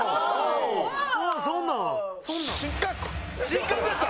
失格なった！